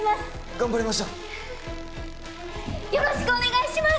頑張りましょうよろしくお願いします！